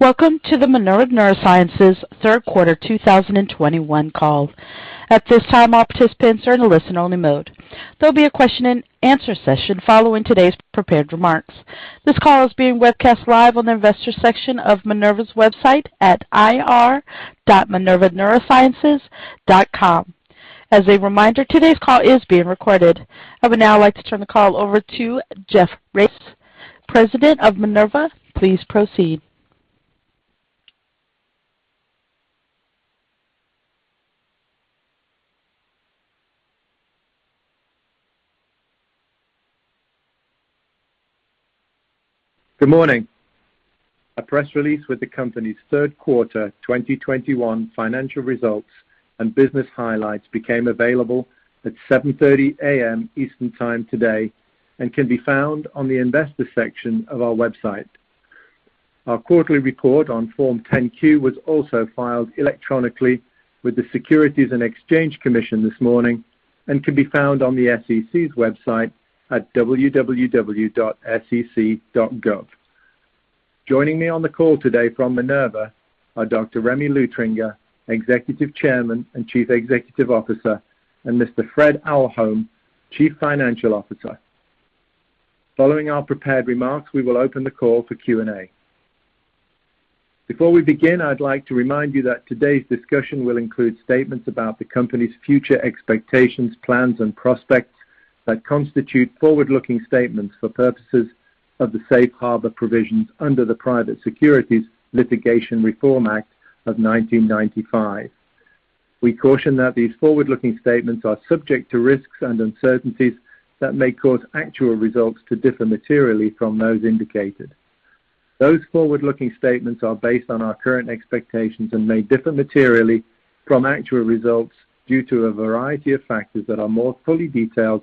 Welcome to the Minerva Neurosciences third quarter 2021 call. At this time, all participants are in a listen only mode. There'll be a question-and-answer session following today's prepared remarks. This call is being webcast live on the investor section of Minerva's website at ir.minervaneurosciences.com. As a reminder, today's call is being recorded. I would now like to turn the call over to Geoff Race, President of Minerva. Please proceed. Good morning. A press release with the company's third quarter 2021 financial results and business highlights became available at 7:30 A.M. Eastern Time today and can be found on the investor section of our website. Our quarterly report on Form 10-Q was also filed electronically with the Securities and Exchange Commission this morning and can be found on the SEC's website at www.sec.gov. Joining me on the call today from Minerva are Dr. Remy Luthringer, Executive Chairman and Chief Executive Officer, and Mr. Fred Ahlholm, Chief Financial Officer. Following our prepared remarks, we will open the call for Q&A. Before we begin, I'd like to remind you that today's discussion will include statements about the company's future expectations, plans, and prospects that constitute forward-looking statements for purposes of the safe harbor provisions under the Private Securities Litigation Reform Act of 1995. We caution that these forward-looking statements are subject to risks and uncertainties that may cause actual results to differ materially from those indicated. Those forward-looking statements are based on our current expectations and may differ materially from actual results due to a variety of factors that are more fully detailed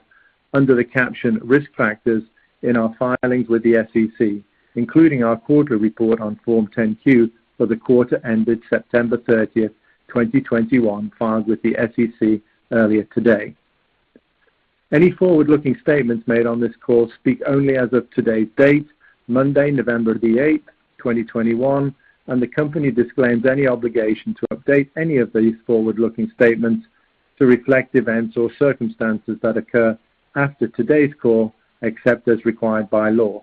under the caption Risk Factors in our filings with the SEC, including our quarter report on Form 10-Q for the quarter ended September 30, 2021, filed with the SEC earlier today. Any forward-looking statements made on this call speak only as of today's date, Monday, November 8, 2021, and the company disclaims any obligation to update any of these forward-looking statements to reflect events or circumstances that occur after today's call, except as required by law.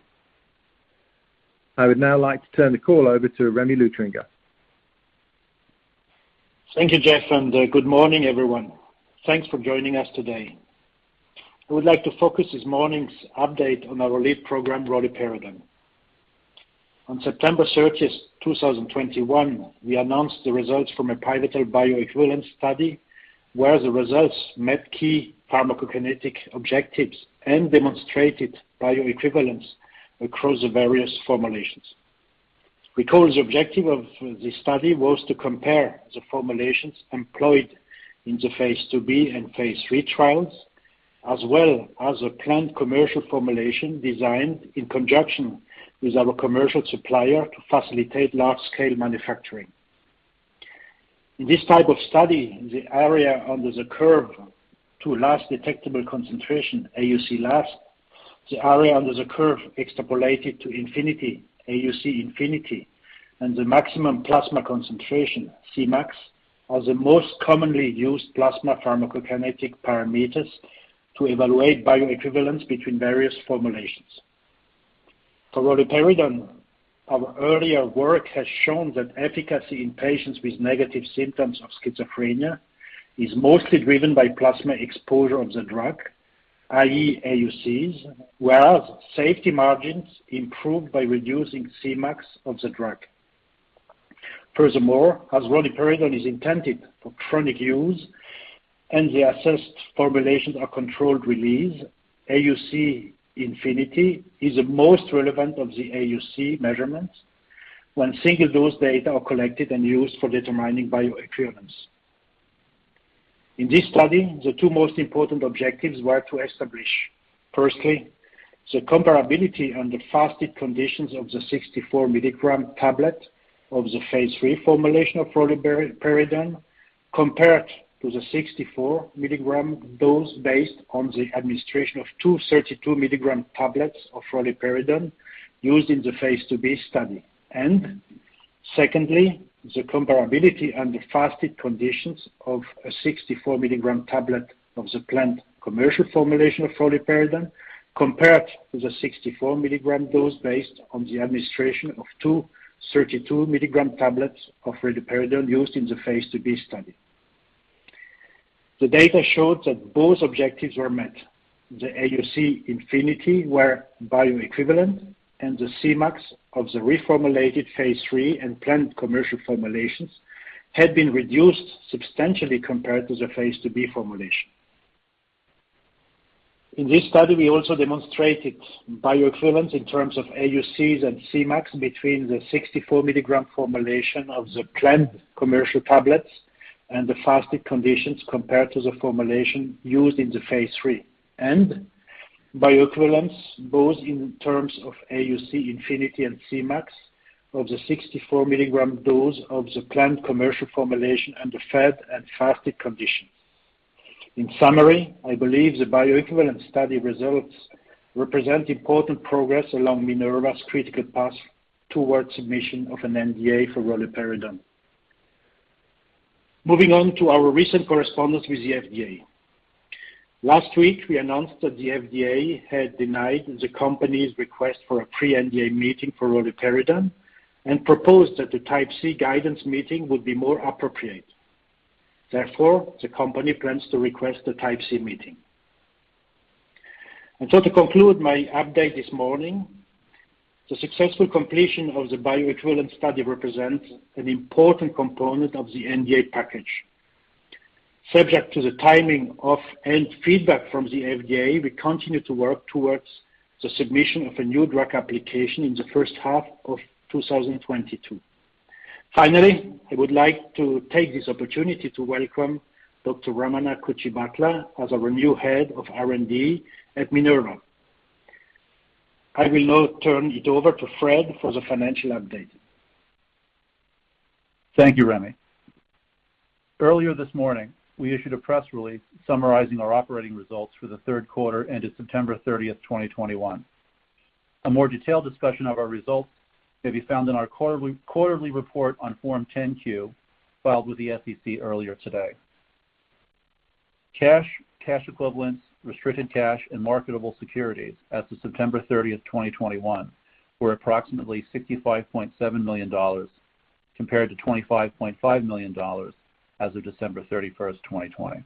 I would now like to turn the call over to Remy Luthringer. Thank you, Geoff, and good morning, everyone. Thanks for joining us today. I would like to focus this morning's update on our lead program, Roluperidone. On September 30, 2021, we announced the results from a pivotal bioequivalence study where the results met key pharmacokinetic objectives and demonstrated bioequivalence across the various formulations. Recall, the objective of this study was to compare the formulations employed in the phase II-B and phase III trials, as well as a planned commercial formulation designed in conjunction with our commercial supplier to facilitate large scale manufacturing. In this type of study, the area under the curve to last detectable concentration, AUClast, the area under the curve extrapolated to infinity, AUCinf, and the maximum plasma concentration, Cmax, are the most commonly used plasma pharmacokinetic parameters to evaluate bioequivalence between various formulations. For Roluperidone, our earlier work has shown that efficacy in patients with negative symptoms of schizophrenia is mostly driven by plasma exposure of the drug, i.e. AUCs, whereas safety margins improved by reducing Cmax of the drug. Furthermore, as Roluperidone is intended for chronic use and the assessed formulations are controlled release, AUCinf is the most relevant of the AUC measurements when single dose data are collected and used for determining bioequivalence. In this study, the two most important objectives were to establish, firstly, the comparability under fasted conditions of the 64 mg tablet of the phase III formulation of Roluperidone compared to the 64 mg dose based on the administration of two 32 mg tablets of Roluperidone used in the phase II-B study. Secondly, the comparability under fasted conditions of a 64 mg tablet of the planned commercial formulation of Roluperidone compared to the 64 mg dose based on the administration of two 32 mg tablets of Roluperidone used in the phase II-B study. The data showed that both objectives were met. The AUCinf were bioequivalent, and the Cmax of the reformulated phase III and planned commercial formulations had been reduced substantially compared to the phase II-B formulation. In this study, we also demonstrated bioequivalence in terms of AUCs and Cmax between the 64 mg formulation of the planned commercial tablets and the fasted conditions compared to the formulation used in the phase III. Bioequivalence, both in terms of AUCinf and Cmax of the 64-mg dose of the planned commercial formulation and the fed and fasted conditions. In summary, I believe the bioequivalence study results represent important progress along Minerva's critical path towards submission of an NDA for Roluperidone. Moving on to our recent correspondence with the FDA. Last week, we announced that the FDA had denied the company's request for a pre-NDA meeting for Roluperidone and proposed that the Type C guidance meeting would be more appropriate. Therefore, the company plans to request a Type C meeting. To conclude my update this morning, the successful completion of the bioequivalence study represents an important component of the NDA package. Subject to the timing of any feedback from the FDA, we continue to work towards the submission of a new drug application in the first half of 2022. Finally, I would like to take this opportunity to welcome Dr. Ramana Kuchibhatla as our new Head of R&D at Minerva. I will now turn it over to Fred for the financial update. Thank you, Remy. Earlier this morning, we issued a press release summarizing our operating results for the third quarter ended September 30, 2021. A more detailed discussion of our results may be found in our quarterly report on Form 10-Q filed with the SEC earlier today. Cash, cash equivalents, restricted cash, and marketable securities as of September 30, 2021, were approximately $65.7 million, compared to $25.5 million as of December 31, 2020.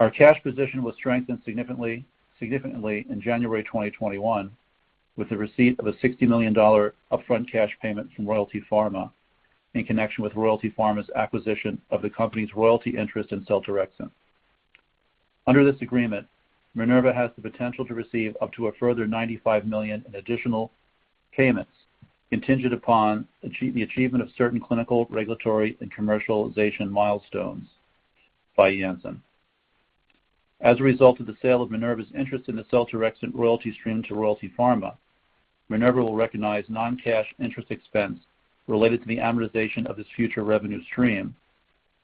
Our cash position was strengthened significantly in January 2021, with the receipt of a $60 million upfront cash payment from Royalty Pharma in connection with Royalty Pharma's acquisition of the company's royalty interest in seltorexant. Under this agreement, Minerva has the potential to receive up to a further $95 million in additional payments contingent upon the achievement of certain clinical, regulatory, and commercialization milestones by Janssen. As a result of the sale of Minerva's interest in the seltorexant royalty stream to Royalty Pharma, Minerva will recognize non-cash interest expense related to the amortization of this future revenue stream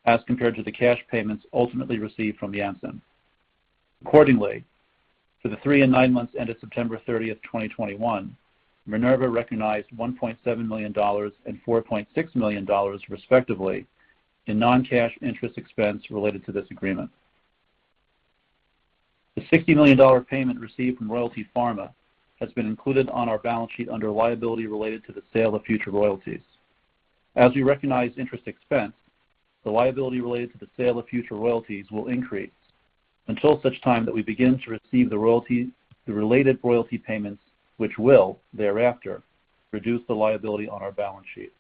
as compared to the cash payments ultimately received from Janssen. Accordingly, for the three and nine months ended September 30, 2021, Minerva recognized $1.7 million and $4.6 million, respectively, in non-cash interest expense related to this agreement. The $60 million payment received from Royalty Pharma has been included on our balance sheet under liability related to the sale of future royalties. As we recognize interest expense, the liability related to the sale of future royalties will increase until such time that we begin to receive the related royalty payments, which will thereafter reduce the liability on our balance sheet.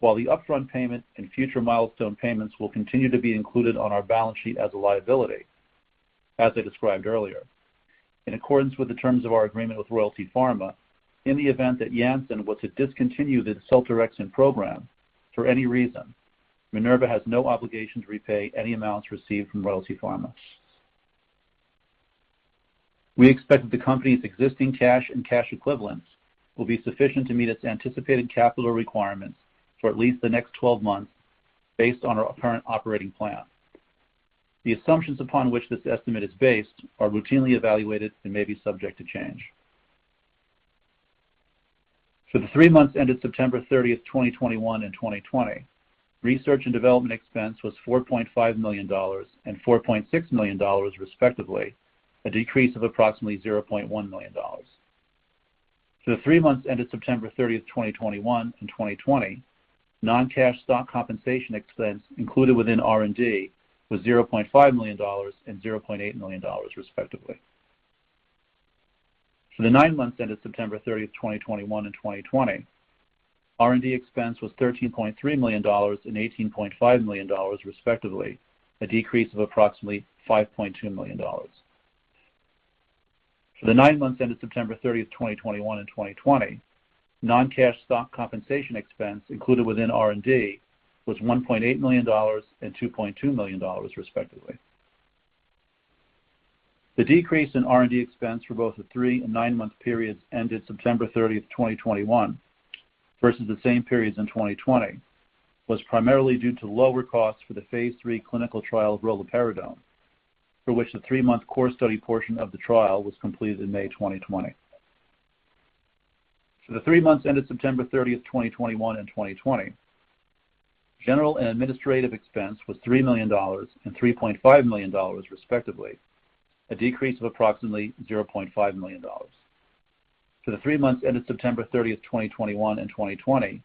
While the upfront payment and future milestone payments will continue to be included on our balance sheet as a liability, as I described earlier. In accordance with the terms of our agreement with Royalty Pharma, in the event that Janssen was to discontinue the seltorexant program for any reason, Minerva has no obligation to repay any amounts received from Royalty Pharma. We expect that the company's existing cash and cash equivalents will be sufficient to meet its anticipated capital requirements for at least the next 12 months based on our current operating plan. The assumptions upon which this estimate is based are routinely evaluated and may be subject to change. For the three months ended September 30, 2021 and 2020, research and development expense was $4.5 million and $4.6 million, respectively, a decrease of approximately $0.1 million. For the three months ended September 30, 2021 and 2020, non-cash stock compensation expense included within R&D was $0.5 million and $0.8 million, respectively. For the nine months ended September 30, 2021 and 2020, R&D expense was $13.3 million and $18.5 million, respectively, a decrease of approximately $5.2 million. For the nine months ended September 30, 2021 and 2020, non-cash stock compensation expense included within R&D was $1.8 million and $2.2 million, respectively. The decrease in R&D expense for both the three and nine-month periods ended September 30th, 2021 versus the same periods in 2020 was primarily due to lower costs for the phase III clinical trial of Roluperidone, for which the three-month core study portion of the trial was completed in May 2020. For the three months ended September 30th, 2021 and 2020, general and administrative expense was $3 million and $3.5 million, respectively, a decrease of approximately $0.5 million. For the three months ended September 30th, 2021 and 2020,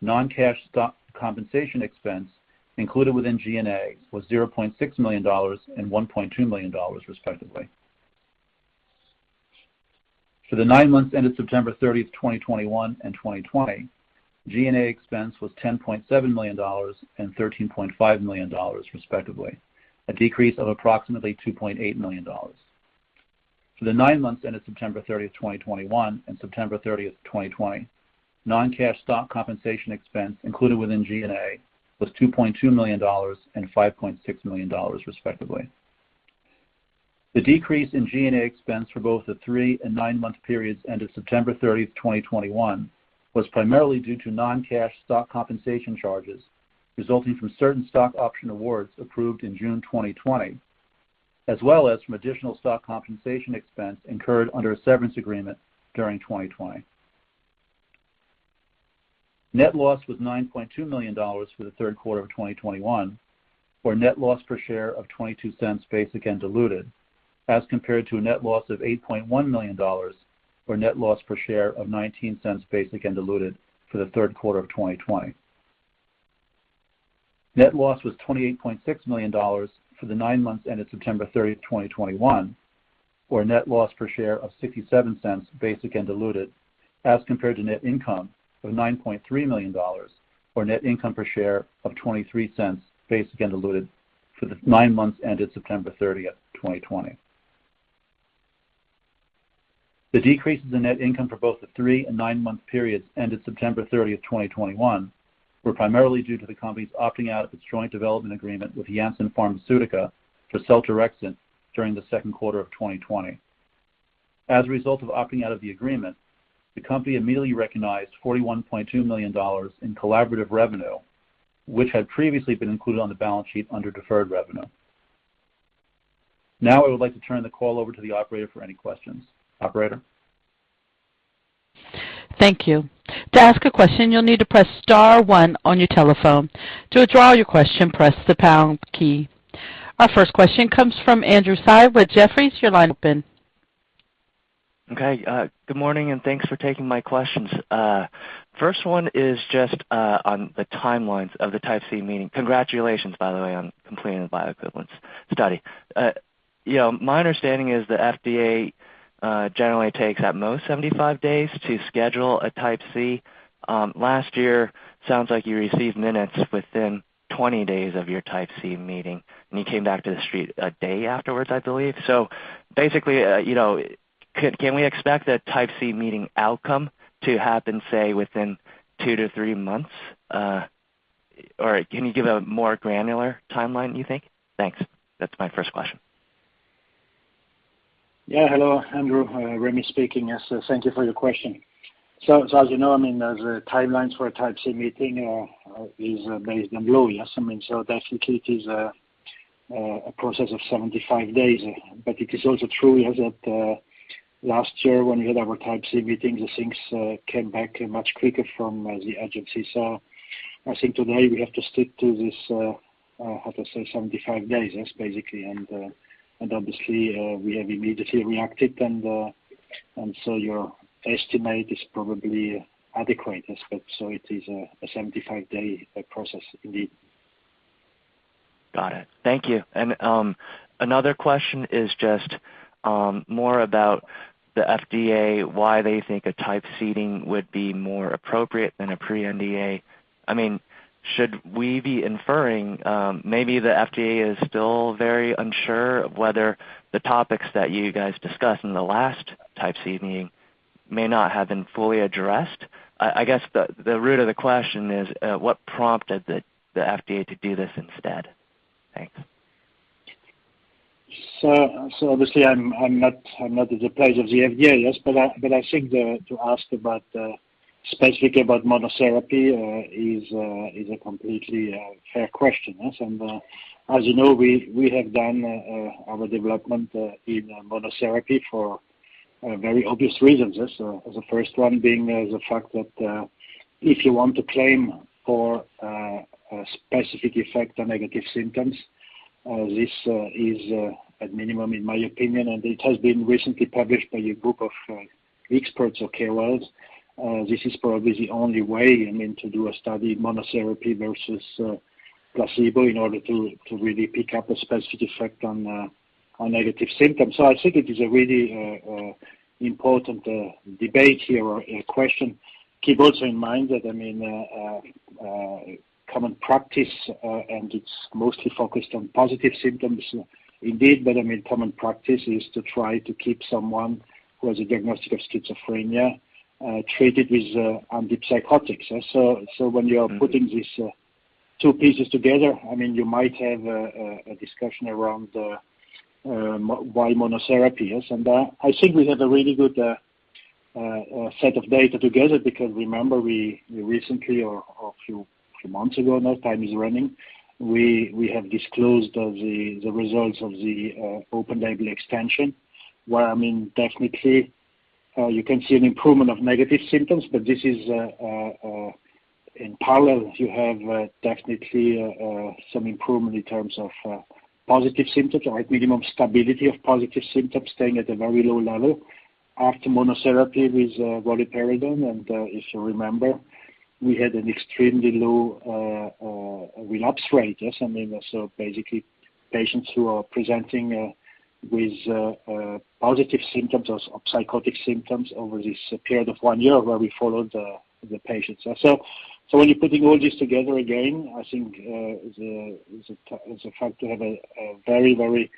non-cash stock compensation expense included within G&A was $0.6 million and $1.2 million, respectively. For the nine months ended September 30th, 2021 and 2020, G&A expense was $10.7 million and $13.5 million, respectively, a decrease of approximately $2.8 million. For the nine months ended September 30th, 2021 and September 30th, 2020, non-cash stock compensation expense included within G&A was $2.2 million and $5.6 million, respectively. The decrease in G&A expense for both the three and nine-month periods ended September 30th, 2021 was primarily due to non-cash stock compensation charges resulting from certain stock option awards approved in June 2020, as well as from additional stock compensation expense incurred under a severance agreement during 2020. Net loss was $9.2 million for the third quarter of 2021 or net loss per share of $0.22 basic and diluted, as compared to a net loss of $8.1 million or net loss per share of $0.19 basic and diluted for the third quarter of 2020. Net loss was $28.6 million for the nine months ended September 30th, 2021, or net loss per share of $0.67 basic and diluted, as compared to net income of $9.3 million or net income per share of $0.23 basic and diluted for the nine months ended September 30th, 2020. The decreases in net income for both the three and nine-month periods ended September thirtieth, 2021, were primarily due to the company's opting out of its joint development agreement with Janssen Pharmaceutica for seltorexant during the second quarter of 2020. As a result of opting out of the agreement, the company immediately recognized $41.2 million in collaborative revenue, which had previously been included on the balance sheet under deferred revenue. Now I would like to turn the call over to the operator for any questions. Operator? Thank you. To ask a question you need to press star one on your telephone. To withdraw your question press the pound key. Our first question comes from Andrew Tsai with Jefferies. Good morning, and thanks for taking my questions. First one is just on the timelines of the Type C meeting. Congratulations, by the way, on completing the bioequivalence study. You know, my understanding is the FDA generally takes at most 75 days to schedule a Type C. Last year sounds like you received minutes within 20 days of your Type C meeting, and you came back to the street one day afterwards, I believe. Basically, you know, can we expect a Type C meeting outcome to happen, say, within 2-3 months? Or can you give a more granular timeline, you think? Thanks. That's my first question. Yeah. Hello, Andrew. Remy speaking. Yes, thank you for your question. As you know, I mean, the timelines for a Type C meeting is based on law. Yes. I mean, definitely it is a process of 75 days. It is also true that last year when we had our Type C meetings, the things came back much quicker from the agency. I think today we have to stick to this, how to say, 75 days, yes, basically. Obviously, we have immediately reacted and your estimate is probably adequate. Yes. It is a 75-day process indeed. Got it. Thank you. Another question is just more about the FDA, why they think a Type C meeting would be more appropriate than a pre-NDA. I mean, should we be inferring maybe the FDA is still very unsure of whether the topics that you guys discussed in the last Type C meeting may not have been fully addressed? I guess the root of the question is what prompted the FDA to do this instead? Thanks. Obviously I'm not at the place of the FDA. Yes. I think to ask about specifically about monotherapy is a completely fair question. Yes. As you know, we have done our development in monotherapy for very obvious reasons. Yes. The first one being the fact that if you want to claim for a specific effect on negative symptoms, this is at minimum in my opinion, and it has been recently published by a group of experts, okay, well, this is probably the only way, I mean, to do a study monotherapy versus placebo in order to really pick up a specific effect on negative symptoms. I think it is a really important debate here or a question. Keep also in mind that, I mean, common practice, and it's mostly focused on positive symptoms indeed, but I mean, common practice is to try to keep someone who has a diagnostic of schizophrenia, treated with antipsychotics. When you are putting these two pieces together, I mean, you might have a discussion around why monotherapy. Yes. I think we have a really good set of data together because remember we recently or a few months ago now, time is running, we have disclosed the results of the open-label extension, where, I mean, technically, you can see an improvement of negative symptoms, but this is in parallel, you have technically some improvement in terms of positive symptoms or at minimum stability of positive symptoms staying at a very low level after monotherapy with Roluperidone. If you remember, we had an extremely low relapse rate. Yes. I mean, basically patients who are presenting with positive symptoms of psychotic symptoms over this period of one year where we followed the patients. When you're putting all this together again, I think, it's a fact to have a very, very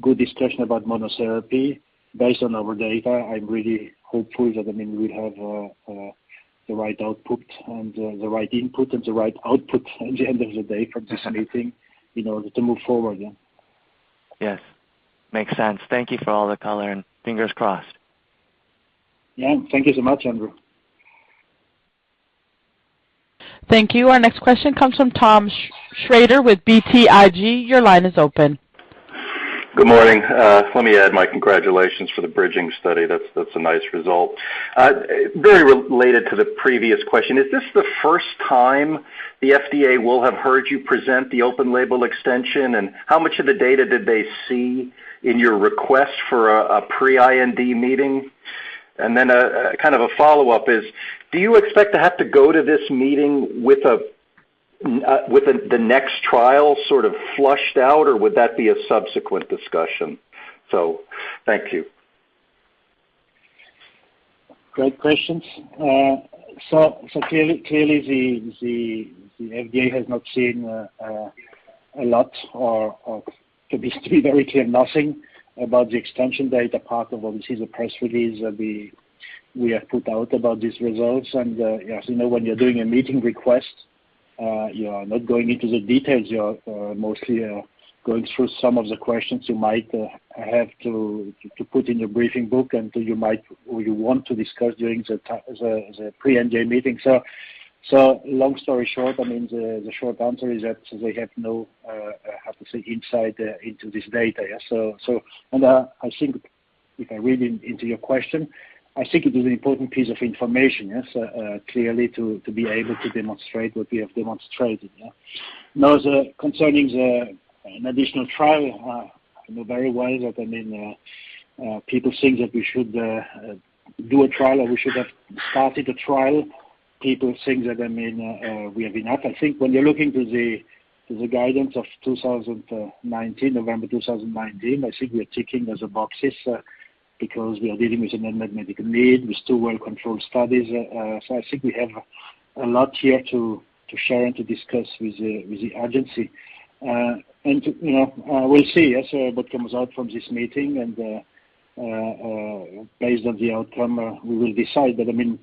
good discussion about monotherapy based on our data. I'm really hopeful that, I mean, we have the right output and the right input and the right output at the end of the day from this meeting in order to move forward, yeah. Yes. Makes sense. Thank you for all the color and fingers crossed. Yeah. Thank you so much, Andrew. Thank you. Our next question comes from Tom Shrader with BTIG. Your line is open. Good morning. Let me add my congratulations for the bridging study. That's a nice result. Very related to the previous question, is this the first time the FDA will have heard you present the open-label extension, and how much of the data did they see in your request for a pre-IND meeting? And then a kind of a follow-up is, do you expect to have to go to this meeting with the next trial sort of flushed out, or would that be a subsequent discussion? Thank you. Great questions. clearly the FDA has not seen a lot or to be very clear, nothing about the extension date apart from obviously the press release that we have put out about these results. Yes, you know, when you're doing a meeting request, you are not going into the details. You are mostly going through some of the questions you might have to put in your briefing book and you might or you want to discuss during the pre-NDA meeting. Long story short, I mean, the short answer is that they have no, how to say, insight into this data. I think if I read in, into your question, I think it is an important piece of information, yes, clearly to be able to demonstrate what we have demonstrated. Now the concerning the, an additional trial, in a very way that, I mean, people think that we should do a trial or we should have started the trial. People think that, I mean, we have enough. I think when you're looking to the, to the guidance of 2019, November 2019, I think we are ticking as the boxes because we are dealing with an unmet medical need. We still well controlled studies. So I think we have a lot here to share and to discuss with the, with the agency. And to, you know, we'll see, yes, what comes out from this meeting. Based on the outcome, we will decide. I mean,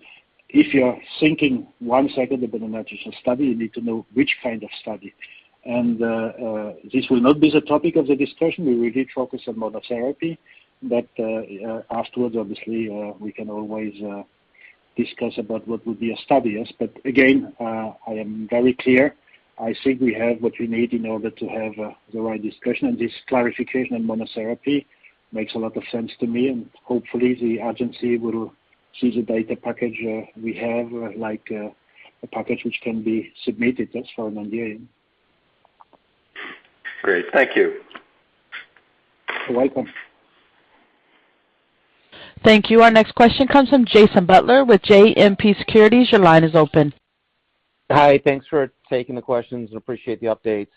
if you are thinking one second about an additional study, you need to know which kind of study. This will not be the topic of the discussion. We really focus on monotherapy. Afterwards, obviously, we can always discuss about what would be a study. Again, I am very clear. I think we have what we need in order to have the right discussion. This clarification in monotherapy makes a lot of sense to me. Hopefully the agency will see the data package we have, like, a package which can be submitted just for an NDA. Great. Thank you. You're welcome. Thank you. Our next question comes from Jason Butler with JMP Securities. Your line is open. Hi. Thanks for taking the questions and appreciate the updates.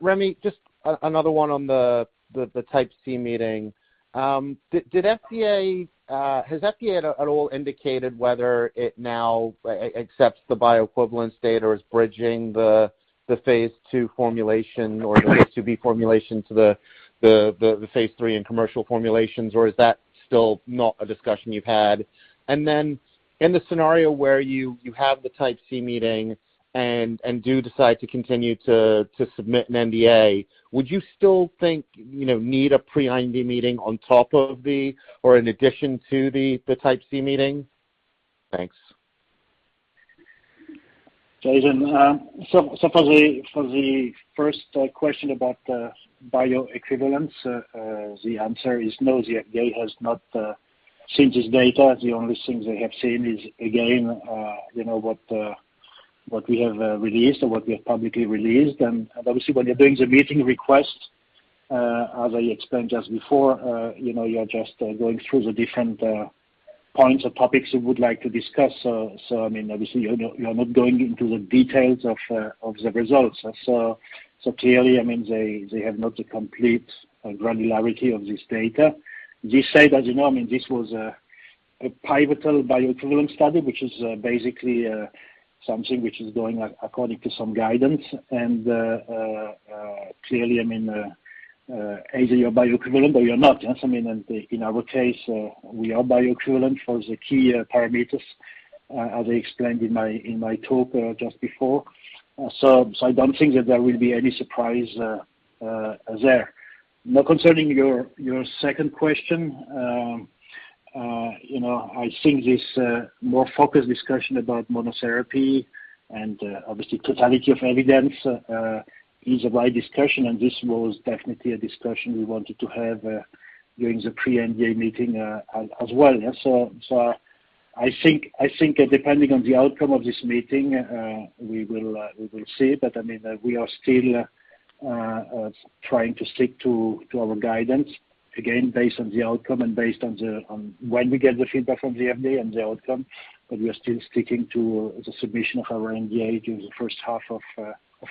Remy, just another one on the Type C meeting. Has FDA at all indicated whether it now accepts the bioequivalence data or is bridging the phase II formulation or the phase IIb formulation to the phase III and commercial formulations, or is that still not a discussion you've had? In the scenario where you have the Type C meeting and do decide to continue to submit an NDA, would you still think, you know, need a pre-NDA meeting on top of the or in addition to the Type C meeting? Thanks. Jason. so for the first question about bioequivalence, the answer is no. The FDA has not seen this data. The only things they have seen is again, you know, what we have released or what we have publicly released. Obviously, when you're doing the meeting request, as I explained just before, you know, you're just going through the different points or topics you would like to discuss. I mean, obviously you're not, you're not going into the details of the results. Clearly, I mean, they have not the complete granularity of this data. This said, as you know, I mean, this was a pivotal bioequivalence study, which is basically something which is going according to some guidance. Clearly, I mean, either you're bioequivalent or you're not. I mean, in our case, we are bioequivalent for the key parameters, as I explained in my talk just before. I don't think that there will be any surprise there. Concerning your second question, you know, I think this more focused discussion about monotherapy and obviously totality of evidence is a right discussion, and this was definitely a discussion we wanted to have during the pre-NDA meeting as well. I think depending on the outcome of this meeting, we will see. I mean, we are still trying to stick to our guidance. Again, based on the outcome and based on when we get the feedback from the FDA and the outcome, but we are still sticking to the submission of our NDA during the first half of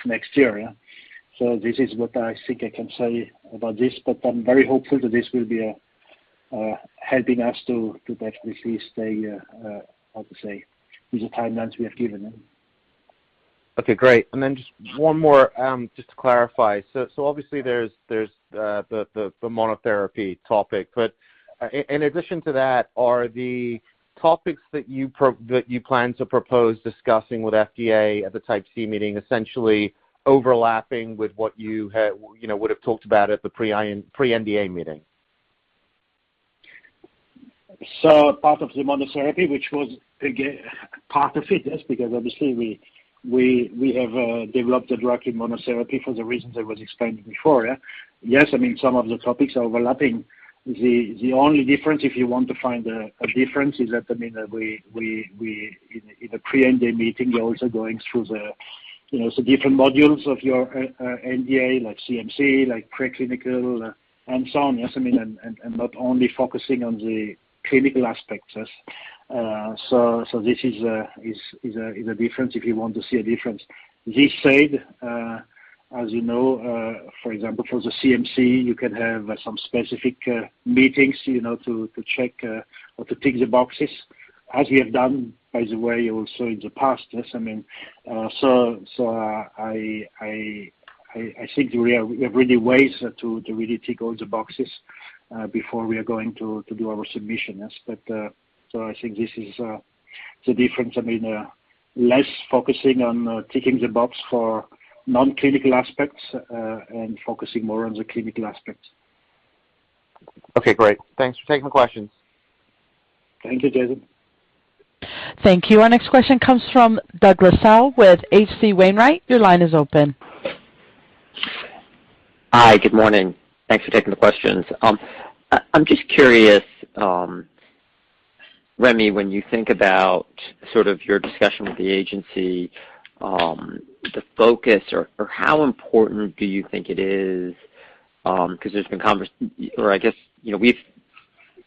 next year. This is what I think I can say about this, but I'm very hopeful that this will be helping us to definitely stay how to say, with the timelines we have given. Okay, great. Then just one more, just to clarify. Obviously there's the monotherapy topic. But in addition to that, are the topics that you plan to propose discussing with FDA at the type C meeting essentially overlapping with what you had, you know, would have talked about at the pre-NDA meeting? Part of the monotherapy, which was part of it, yes, because obviously we have developed a drug in monotherapy for the reasons I was explaining before, yeah. Yes, I mean, some of the topics are overlapping. The only difference, if you want to find a difference, is that, I mean, that we in a pre-NDA meeting, we're also going through the, you know, so different modules of your NDA, like CMC, like preclinical and so on. Yes. I mean, and not only focusing on the clinical aspects. Yes. So this is a difference if you want to see a difference. This said, as you know, for example, for the CMC, you can have some specific meetings, you know, to check, or to tick the boxes as we have done, by the way, also in the past. I mean, I think we have really ways to really tick all the boxes, before we are going to do our submission. I think this is the difference. I mean, less focusing on ticking the box for non-clinical aspects, and focusing more on the clinical aspects. Okay, great. Thanks for taking the questions. Thank you, Jason. Thank you. Our next question comes from Douglas Tsao with H.C. Wainwright. Your line is open. Hi. Good morning. Thanks for taking the questions. I'm just curious, Remy, when you think about sort of your discussion with the Agency, the focus or how important do you think it is? Because there's been or I guess, you know,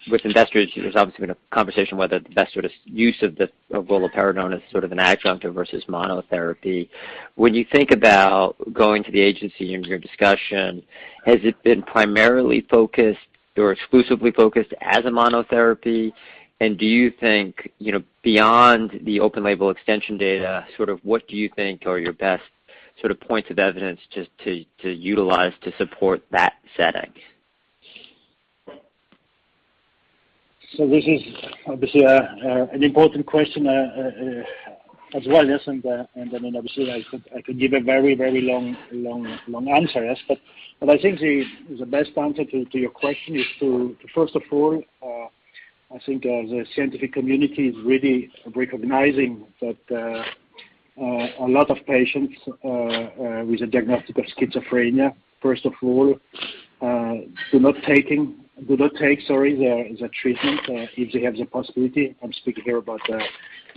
we've with investors, there's obviously been a conversation whether the best sort of use of the of Roluperidone is sort of an adjunctive versus monotherapy. When you think about going to the Agency in your discussion, has it been primarily focused or exclusively focused as a monotherapy? Do you think, you know, beyond the open-label extension data, sort of what do you think are your best sort of points of evidence just to utilize to support that setting? This is obviously an important question as well. Yes. I mean, obviously, I could give a very long answer. Yes. I think the best answer to your question is to first of all, I think the scientific community is really recognizing that a lot of patients with a diagnostic of schizophrenia, first of all, do not take, sorry, the treatment if they have the possibility. I'm speaking here about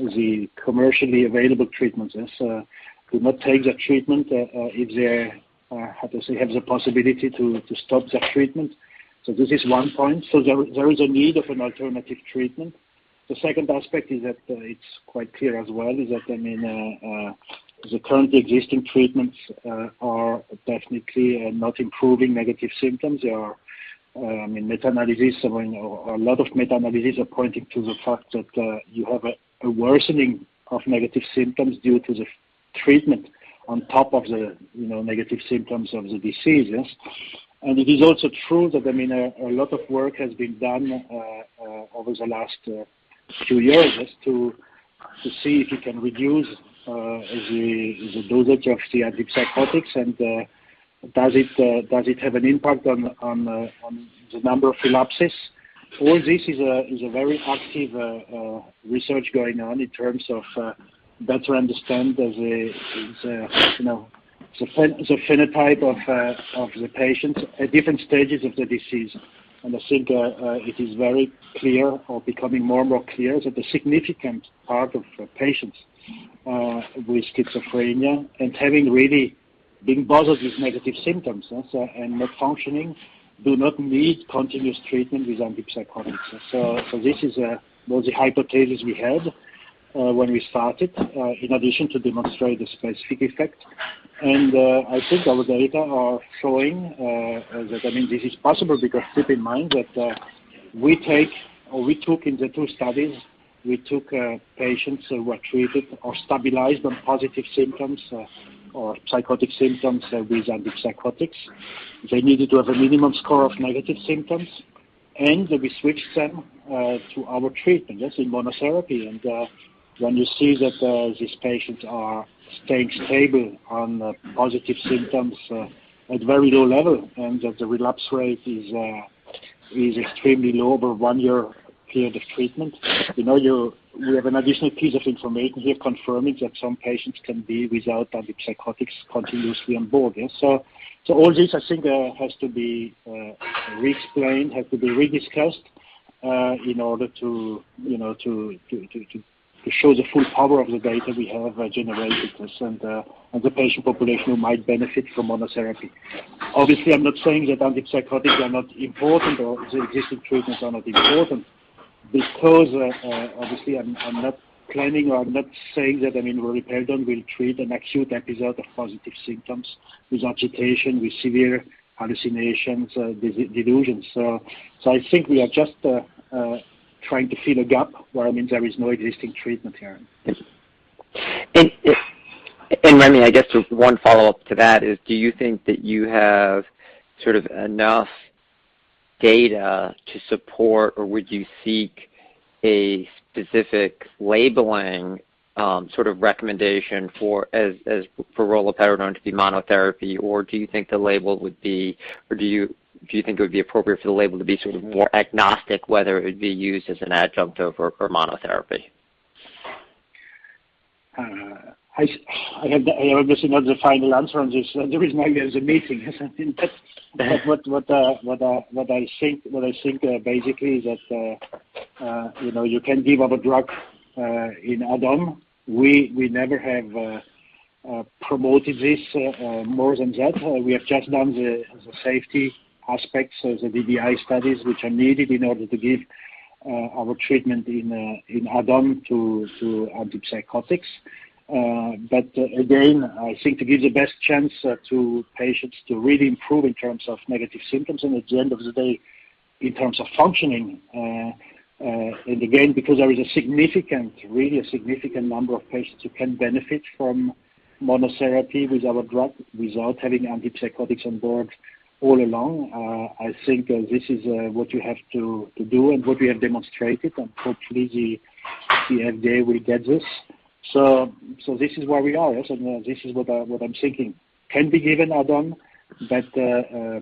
the commercially available treatments. Yes. Do not take the treatment if they're, how to say, have the possibility to stop that treatment. This is one point. There is a need of an alternative treatment. The second aspect is that, it's quite clear as well, is that, I mean, the current existing treatments are definitely not improving negative symptoms. There are, I mean, meta-analysis, I mean, a lot of meta-analysis are pointing to the fact that, you have a worsening of negative symptoms due to the treatment on top of the, you know, negative symptoms of the disease. Yes. It is also true that, I mean, a lot of work has been done over the last two years just to see if you can reduce the dosage of the antipsychotics and does it have an impact on the number of relapses. All this is a very active research going on in terms of better understand the, you know, the phenotype of the patients at different stages of the disease. I think it is very clear or becoming more and more clear that the significant part of patients with schizophrenia and having really been bothered with negative symptoms and so, and not functioning, do not need continuous treatment with antipsychotics. This is one of the hypothesis we had when we started in addition to demonstrate the specific effect. I think our data are showing that, I mean, this is possible because keep in mind that we take or we took in the two studies, we took patients who were treated or stabilized on positive symptoms or psychotic symptoms with antipsychotics. They needed to have a minimum score of negative symptoms, and then we switched them to our treatment. That's in monotherapy. When you see that these patients are staying stable on positive symptoms at very low level and that the relapse rate is extremely low over one year period of treatment, you know, we have an additional piece of information here confirming that some patients can be without antipsychotics continuously on board. Yeah. All this I think has to be re-explained, has to be rediscussed, in order to, you know, to show the full power of the data we have generated, and the patient population who might benefit from monotherapy. Obviously, I'm not saying that antipsychotics are not important or the existing treatments are not important because, obviously I'm not claiming or I'm not saying that, I mean, Roluperidone will treat an acute episode of positive symptoms with agitation, with severe hallucinations or delusions. I think we are just trying to fill a gap where I mean there is no existing treatment here. Thank you. Remy, I guess just one follow-up to that is do you think that you have sort of enough data to support, or would you seek a specific labeling, sort of recommendation as for Roluperidone to be monotherapy? Or do you think it would be appropriate for the label to be sort of more agnostic whether it would be used as an adjunct or for monotherapy? I have the, I obviously don't have the final answer on this. The reason I gave the meeting is I think that's what I think basically is that, you know, you can give other drug in add-on. We never have promoted this more than that. We have just done the safety aspects of the DDI studies which are needed in order to give our treatment in add-on to antipsychotics. But again, I think to give the best chance to patients to really improve in terms of negative symptoms and at the end of the day, in terms of functioning, and again, because there is a significant, really a significant number of patients who can benefit from monotherapy with our drug without having antipsychotics on board all along, I think this is what you have to do and what we have demonstrated and hopefully the FDA will get this. This is where we are. Yes, and this is what I'm thinking. Can be given add-on, but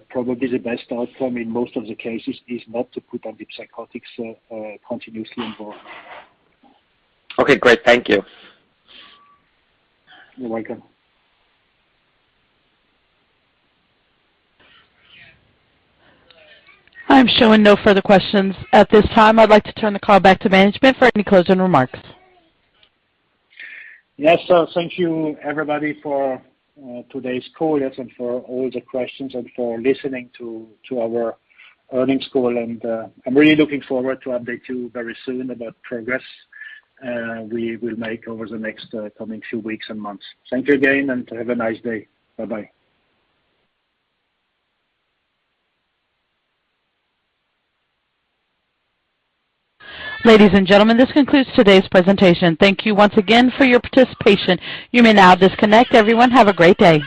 probably the best outcome in most of the cases is not to put antipsychotics continuously on board. Okay, great. Thank you. You're welcome. I'm showing no further questions. At this time, I'd like to turn the call back to management for any closing remarks. Yes. Thank you everybody for today's call, yes, and for all the questions and for listening to our earnings call and I'm really looking forward to update you very soon about progress we will make over the next coming few weeks and months. Thank you again and have a nice day. Bye-bye. Ladies and gentlemen, this concludes today's presentation. Thank you once again for your participation. You may now disconnect. Everyone, have a great day.